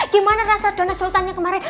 gimana rasa dona sultan nya kemarin